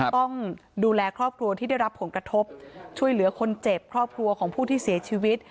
ต้องดูแลครอบครัวที่ได้รับผลกระทบช่วยเหลือคนเจ็บครอบครัวของผู้ที่เสียชีวิต